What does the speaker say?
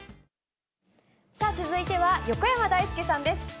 続いては、横山だいすけさんです。